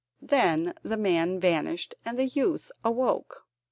Then the man vanished, and the youth awoke.